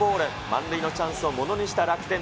満塁のチャンスをものにした楽天。